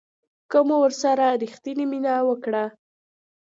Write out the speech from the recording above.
که مو ورسره ریښتینې مینه وکړه